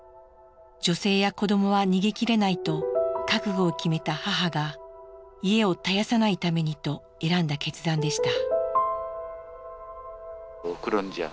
女性や子どもは逃げきれないと覚悟を決めた母が家を絶やさないためにと選んだ決断でした。